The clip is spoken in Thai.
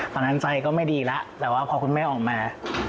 ตอนนั้นใจก็ไม่ดีแล้วแต่ว่าพอคุณแม่ออกมา